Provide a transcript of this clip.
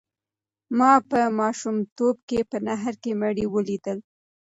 ما په ماشومتوب کې په نهر کې مړي ولیدل.